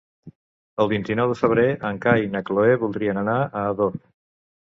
El vint-i-nou de febrer en Cai i na Cloè voldrien anar a Ador.